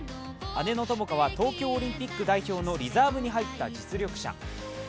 姉の友花は東京オリンピック代表のリザーブに入った実力者。